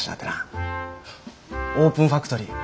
オープンファクトリー